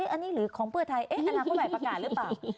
อันนี้หรือของเพื่อไทยอนาคตใหม่ประกาศหรือเปล่า